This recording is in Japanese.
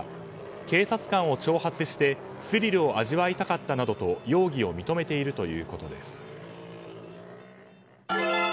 警察官を挑発してスリルを味わいたかったなどと容疑を認めているということです。